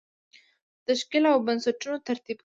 د تشکیل او بستونو ترتیب کول.